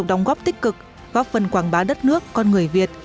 tổng đồng góp tích cực góp phần quảng bá đất nước con người việt